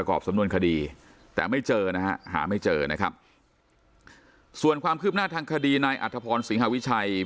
สำนวนคดีแต่ไม่เจอนะฮะหาไม่เจอนะครับส่วนความคืบหน้าทางคดีนายอัธพรสิงหาวิชัย